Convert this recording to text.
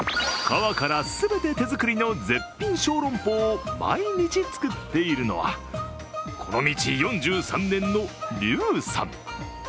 皮から全て手作りの絶品小籠包を毎日作っているのは、この道４３年のリュウさん。